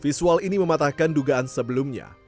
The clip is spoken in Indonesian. visual ini mematahkan dugaan sebelumnya